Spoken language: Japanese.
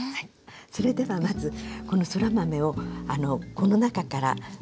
それではまずこのそら豆をこの中から実を取り出すわけですね。